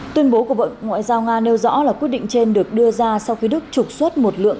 tuyên bố của bộ ngoại giao nga nêu rõ là quyết định trên được đưa ra sau khi đức trục xuất một lượng